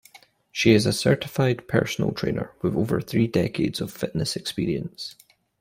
She is a certified personal trainer with over three decades of fitness experience.